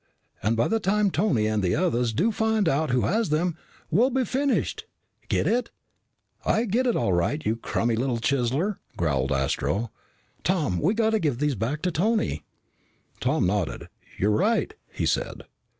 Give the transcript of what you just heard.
And by the time Tony and the others do find out who has them, we'll be finished. Get it?" "I get it, all right, you crummy little chiseler," growled Astro. "Tom, we gotta give these back to Tony." Tom nodded. "You're right," he said.